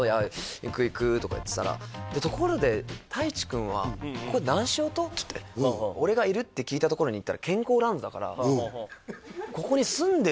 行く行く」とか言ってたら「ところで太一君はここで何しようと？」って言って俺がいるって聞いた所に行ったら健康ランドだからなるほどね